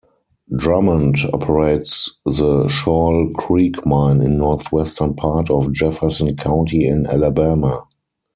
Drummond operates the Shoal Creek mine in northwestern part of Jefferson County in Alabama.